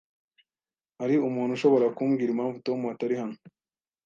Hari umuntu ushobora kumbwira impamvu Tom atari hano?